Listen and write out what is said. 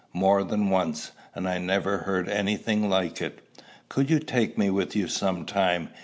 "More than once. And I never heard any thing like it." "Could you take me with you some time?"